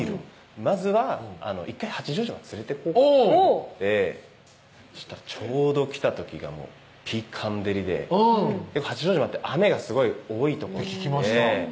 まずは１回八丈島に連れてこうと思ってしたらちょうど来た時がピーカン照りで八丈島って雨がすごい多い所で聞きました